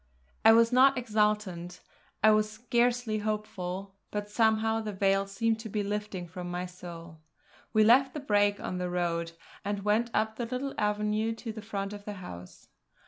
I was not exultant, I was scarcely hopeful; but somehow the veil seemed to be lifting from my soul. We left the brake on the road, and went up the little avenue to the front of the house.